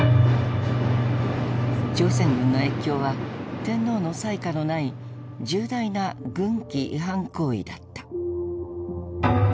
朝鮮軍の越境は天皇の裁可のない重大な軍紀違反行為だった。